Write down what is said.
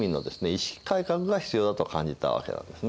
意識改革が必要だと感じたわけなんですね。